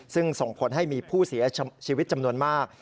ซึ่งส่งผลให้มีผู้เสียชีวิตจำนวนมาก